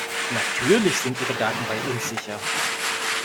Natürlich sind ihre Daten bei uns sicher!